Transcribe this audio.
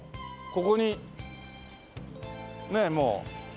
ここにねえもう。